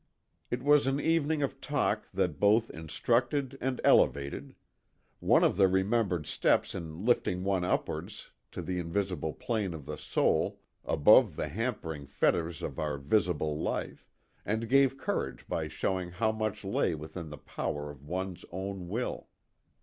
It was an evening of talk that both instructed and elevated ; one of the remembered steps in lifting one upwards to the invisible plane of the soul, above the hampering fetters of our visible life ; and gave courage by showing how much lay within the power of one's own will.